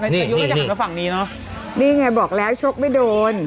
นี่นี่นี่นี่ไงบอกแล้วชกไม่โดน